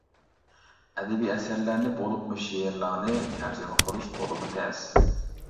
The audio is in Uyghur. ئەدەبىي ئەسەرلەرنى بولۇپمۇ شېئىرلارنى تەرجىمە قىلىش تولىمۇ تەس.